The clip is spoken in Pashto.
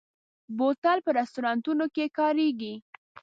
بوتل په رستورانتونو کې کارېږي.